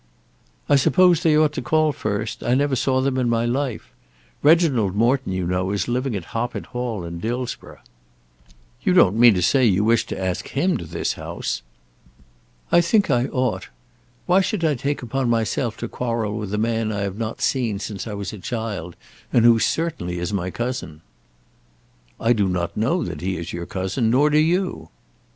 "I suppose they ought to call first. I never saw them in my life. Reginald Morton, you know, is living at Hoppet Hall in Dillsborough." "You don't mean to say you wish to ask him to this house?" "I think I ought. Why should I take upon myself to quarrel with a man I have not seen since I was a child, and who certainly is my cousin?" "I do not know that he is your cousin; nor do you."